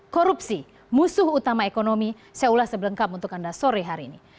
korupsi musuh utama ekonomi saya ulas sebelengkap untuk anda sore hari ini